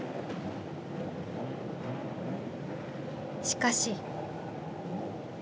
しかし。